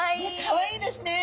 かわいいですね！